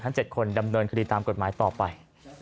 ทั้งเจ็ดคนดำเนินคดีตามกฎหมายต่อไป